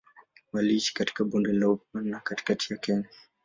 Waliishi katika Bonde la Ufa na katikati ya Kenya.